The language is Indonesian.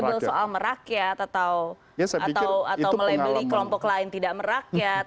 sambil soal merakyat atau melabeli kelompok lain tidak merakyat